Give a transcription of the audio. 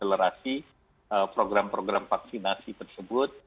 akan mengatasi program program vaksinasi tersebut